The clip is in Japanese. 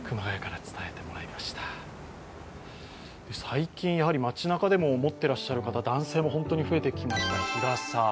最近、街なかでも持っていらっしゃる方、男性も本当に増えてきました日傘。